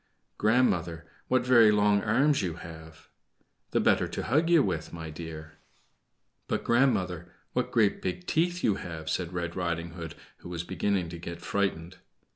"Grandmother, what very long arms you have!" "The better to hug you with, my dear." "But, grandmother, what great big teeth you have," said Red Riding Hood, who was beginning to get frightened.